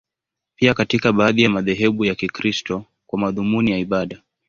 Pia katika baadhi ya madhehebu ya Kikristo, kwa madhumuni ya ibada.